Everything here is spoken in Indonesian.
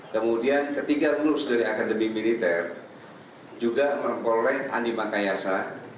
kemudian ketiga rulus dari akademi militer juga mengkoleh anima kayarsa